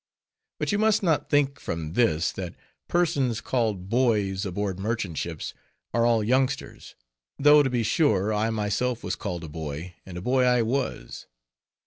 But you must not think from this, that persons called boys aboard merchant ships are all youngsters, though to be sure, I myself was called a boy, and a boy I was.